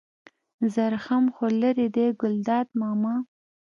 زرخم خو لېرې دی ګلداد ماما.